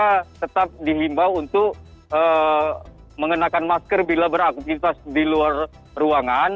mereka tetap dihimbau untuk mengenakan masker bila beraktivitas di luar ruangan